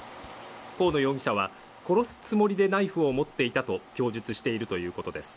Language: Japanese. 河野容疑者は殺すつもりでナイフを持っていたと供述しているということです。